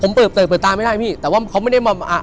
ผมเปิดตาไม่ได้พี่แต่ว่าเขาไม่ได้มา